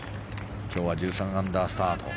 今日は１３アンダースタート。